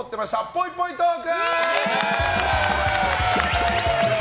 ぽいぽいトーク！